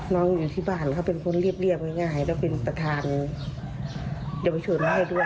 อยู่ที่บ้านเขาเป็นคนเรียบง่ายแล้วเป็นประธานเยาวชนให้ด้วย